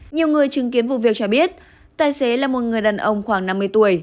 nhiều người chứng kiến vụ việc cho biết tài xế là một người đàn ông khoảng năm mươi tuổi